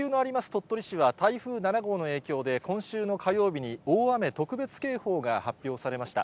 鳥取市は、台風７号の影響で今週の火曜日に大雨特別警報が発表されました。